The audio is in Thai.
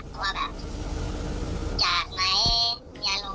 แต่ว่าไม่คิดว่ามันจะแบบสดลุม